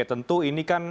tentu ini kan